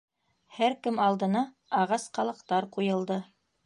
Һәр кем алдына ағас ҡалаҡтар ҡуйылды.